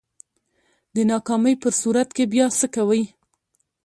د ناکامۍ په صورت کی بیا څه کوئ؟